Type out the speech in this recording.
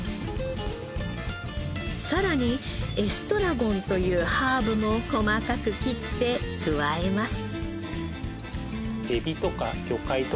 さらにエストラゴンというハーブも細かく切って加えます。